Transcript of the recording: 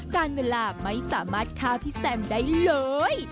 การเวลาไม่สามารถฆ่าพี่แซมได้เลย